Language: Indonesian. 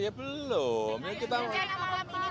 pak pertemuan dan ketung parpor